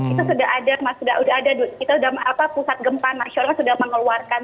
itu sudah ada kita pusat gempa nasional sudah mengeluarkan